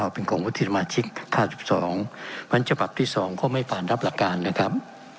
เป็นของวุฒิสมาชิก๕๒เพราะฉะนั้นฉบับที่๒ก็ไม่ผ่านรับหลักการนะครับ